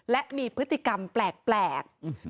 และมีพฤติกรรมแปลก